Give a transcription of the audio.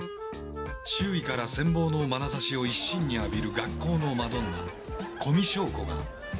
周囲から羨望のまなざしを一身に浴びる学校のマドンナ古見硝子が。